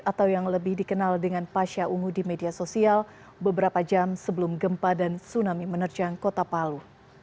atau yang lebih dikenal dengan pasha ungu di media sosial beberapa jam sebelum gempa dan tsunami menerjang kota palu